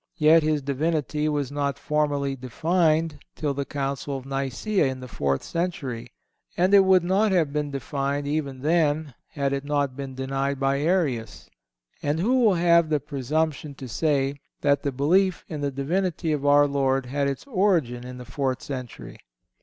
Yet His Divinity was not formally defined till the Council of Nicæa in the fourth century, and it would not have been defined even then had it not been denied by Arius. And who will have the presumption to say that the belief in the Divinity of our Lord had its origin in the fourth century?